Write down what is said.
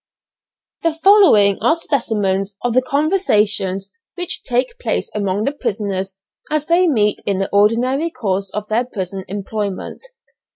The following are specimens of the conversations which take place among the prisoners as they meet in the ordinary course of their prison employment.